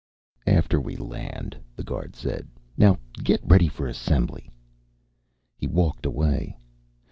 "After we land," the guard said. "Now get ready for assembly." He walked away.